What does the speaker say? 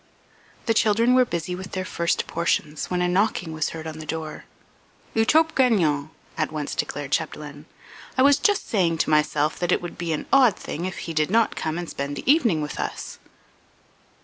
The children were busy with their first portions, when a knocking was heard on the door. "Eutrope Gagnon," at once declared Chapdelaine. "I was just saying to myself that it would be an odd thing if he did not come and spend the evening with us."